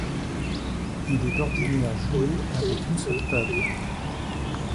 Il est d'ordinaire joué avec une seule table.